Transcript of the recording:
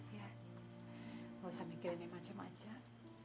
gak usah mikirin yang macam macam